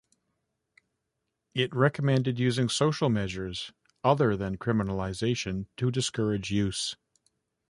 It recommended using social measures other than criminalisation to discourage use.